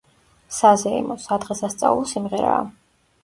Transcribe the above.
საზეიმო, სადღესასწაულო სიმღერაა.